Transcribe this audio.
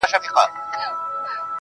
اوس مي د كلي ماسومان ځوروي,